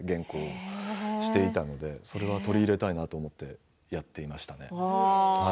そうしていたのでそれを取り入れたいと思ってやっていましたね。